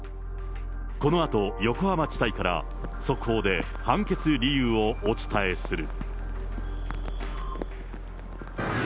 このあと横浜地裁から速報で判決理由をお伝えする。